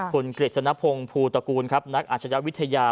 คุณกิจสนับพงศ์ภูตกูลครับนักอาชญาวิทยา